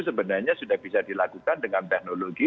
sebenarnya sudah bisa dilakukan dengan teknologi